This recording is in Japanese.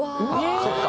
そっか。